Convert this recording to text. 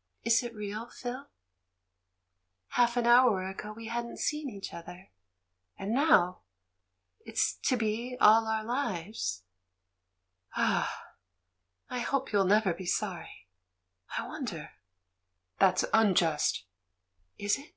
... Is it real, Phil? Half an hour ago we hadn't seen each other; and now — it's to be all our lives! Oh, I hope you'll never be sorry! I wonder?" "That's unjust." "Is it?"